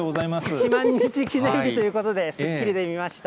１万日記念日ということで、スッキリで見ました。